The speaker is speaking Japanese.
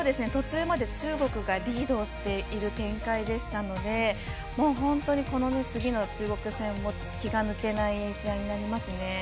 途中まで中国がリードをしている展開でしたのでもう、本当にこの次の中国戦も気が抜けない試合になりますね。